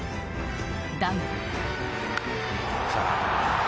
だが。